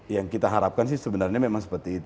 yang kita harapkan sih sebenarnya memang seperti itu